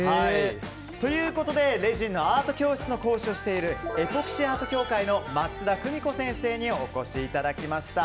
ということで、レジンのアート教室の講師をしているエポキシアート協会の松田久美子先生にお越しいただきました。